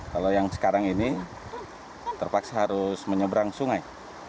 kalau yang sekarang ini terpaksa harus menyeberang sungai